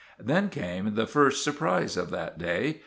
Then came the first surprise of that day.